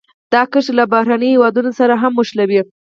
دا کرښې له بهرنیو هېوادونو سره هم نښلوي.